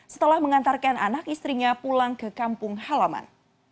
setelah mengantarkan anak istrinya pulang ke kampung halaman